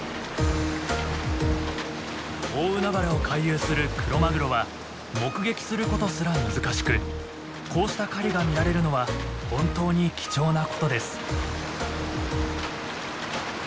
大海原を回遊するクロマグロは目撃することすら難しくこうした狩りが見られるのは本当に貴重なことです。